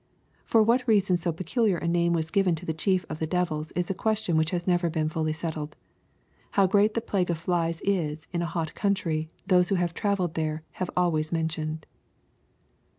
For what reason so .peculiar a name was given, to the chief of the devils is a question which has never been fully settled. How great the plague of flies is in a hot country those who have travelled there have always men tioned.